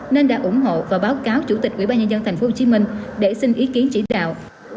nên đã ủng hộ và báo cáo chủ tịch quỹ ba nhân dân tp hcm để xin ý kiến chỉ đạo